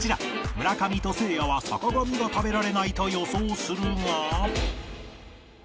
村上とせいやは坂上が食べられないと予想するが